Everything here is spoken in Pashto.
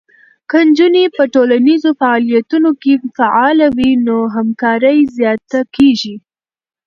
که نجونې په ټولنیزو فعالیتونو کې فعاله وي، نو همکاری زیاته کېږي.